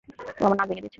ও আমার নাক ভেঙে দিয়েছে!